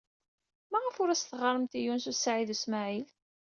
Maɣef ur as-teɣɣaremt i Yunes u Saɛid u Smaɛil?